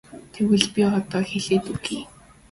Тэгвэл би одоо хэлээд өгье.